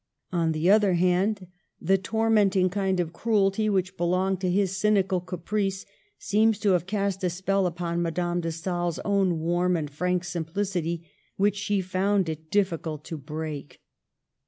On the other hand, the tormenting kind of cruelty which belonged to his cynical caprice seems t6 have cast a spell over Madame, de Stael's own warm and frank simplicity which she found it difficult to break.